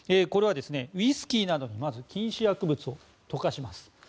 これはウイスキーなどに禁止薬物を溶かします。